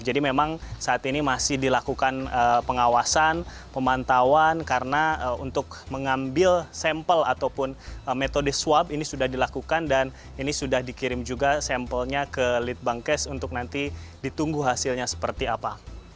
jadi memang saat ini masih dilakukan pengawasan pemantauan karena untuk mengambil sampel ataupun metode swab ini sudah dilakukan dan ini sudah dikirim juga sampelnya ke lead bank cash untuk nanti ditunggu hasilnya seperti apa